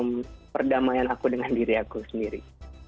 dalam perdamaian aku dengan diri aku sendiri